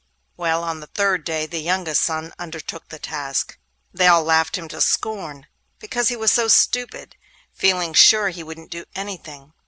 Well, on the third day the youngest son undertook the task. They all laughed him to scorn, because he was so stupid, feeling sure he wouldn't do anything.